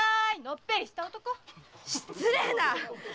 失礼な！